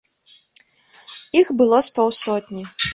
Іх было з паўсотні.